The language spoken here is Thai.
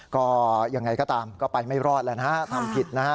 ก็ยังไงก็ตามก็ไปไม่รอดแล้วนะฮะทำผิดนะฮะ